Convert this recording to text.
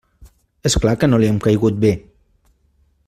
És clar que no li hem caigut bé.